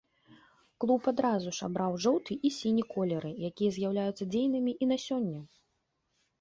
Клуб адразу ж абраў жоўты і сіні колеры, якія з'яўляюцца дзейнымі і на сёння.